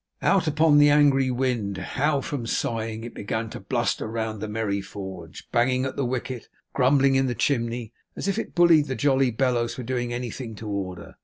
Out upon the angry wind! how from sighing, it began to bluster round the merry forge, banging at the wicket, and grumbling in the chimney, as if it bullied the jolly bellows for doing anything to order.